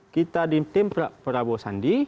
kita di tim prabowo sandi